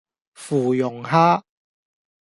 芙蓉蝦